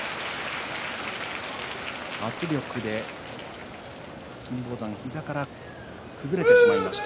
圧力で金峰山膝から崩れてしまいました。